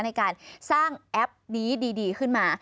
ในการสร้างแอปนี้ดีขึ้นมา